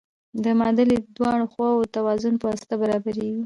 د معادلې دواړه خواوې د توازن په واسطه برابریږي.